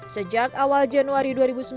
sejak awal januari dua ribu sembilan belas